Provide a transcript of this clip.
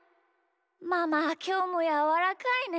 ママはきょうもやわらかいね。